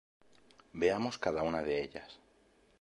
Veamos cada una de ellas.